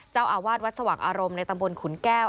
เจ้าอาวาสวัดสว่างอารมณ์ในตำบลขุนแก้ว